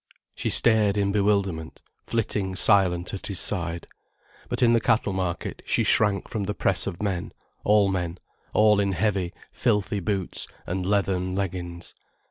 She stared in bewilderment, flitting silent at his side. But in the cattle market she shrank from the press of men, all men, all in heavy, filthy boots, and leathern leggins.